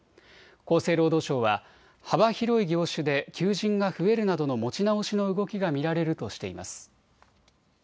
厚生労働省は幅広い業種で求人が増えるなどの持ち直しの動きが見られるとしています。